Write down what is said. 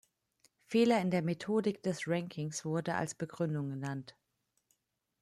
Fehler in der Methodik des Rankings wurde als Begründung genannt.